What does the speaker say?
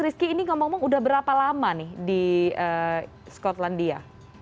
rizky ini ngomong ngomong udah berapa lama nih di skotlandia